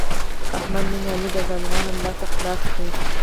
احمد نن علي د ظالمانو له لاس څخه خلاص کړ.